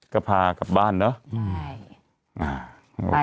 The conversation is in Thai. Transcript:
ก็พากลับบ้านเนาะ